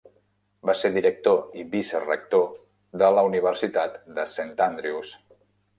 Va ser director i vicerector de la Universitat de Saint Andrews.